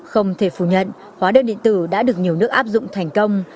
không thể phủ nhận hóa đơn điện tử đã được nhiều nước áp dụng thành công